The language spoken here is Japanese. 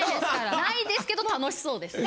ないですけど楽しそうですね。